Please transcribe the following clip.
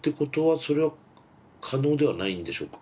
それは可能ではないんでしょうか？